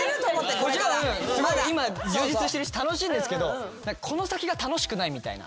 もちろんすごい今充実してるし楽しいんですけどこの先が楽しくないみたいな。